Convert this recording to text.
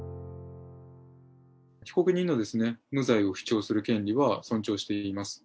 被告人の無罪を主張する権利は尊重しています。